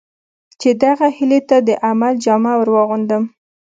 چې دغه هیلې ته د عمل جامه ور واغوندم.